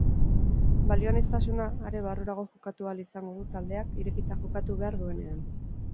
Balioaniztuna, are barrurago jokatu ahal izango du taldeak irekita jokatu behar duenean.